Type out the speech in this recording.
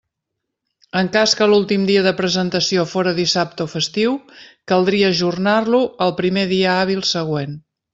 En cas que l'últim dia de presentació fóra dissabte o festiu, caldria ajornar-lo al primer dia hàbil següent.